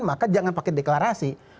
maka jangan pakai deklarasi